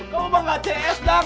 kamu mah gak cs dang